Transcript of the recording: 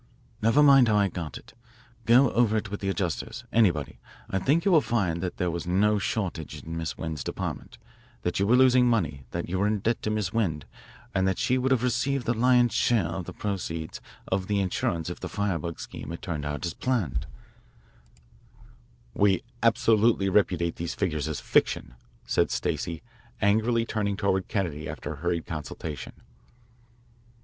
"Never mind how I got it. Go over it with the adjusters, anybody. I think you will find that there was no shortage in Miss Wend's department, that you were losing money, that you were in debt to Miss Wend, and that she would have received the lion's share of the proceeds of the insurance if the firebug scheme had turned out as planned." "We absolutely repudiate these figures as fiction," said Stacey, angrily turning toward Kennedy after a hurried consultation.